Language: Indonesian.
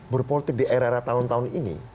berpolitik di era era tahun tahun ini